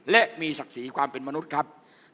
และมีศักดิ์ศรีความเป็นมนุษย์ครับ